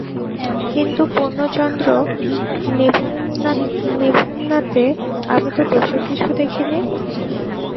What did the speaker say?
কিন্তু পূর্ণচন্দ্রনিভাননাতে আমি তো দোষের কিছু দেখি নি।